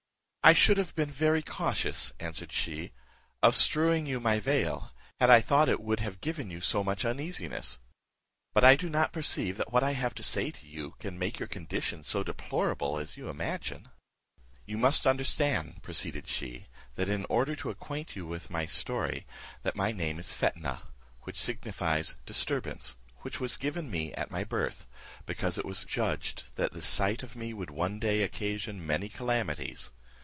"I should have been very cautious," answered she, "of strewing you my veil, had I thought it would have given you so much uneasiness; but I do not perceive that what I have to say to you can make your condition so deplorable as you imagine." "You must understand," proceeded she, "in order to acquaint you with my story, that my name is Fetnah (which signifies disturbance), which was given me at my birth, because it was judged that the sight of me would one day occasion many calamities.